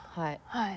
はい。